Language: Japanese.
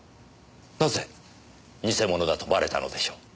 なぜ偽者だとばれたのでしょう？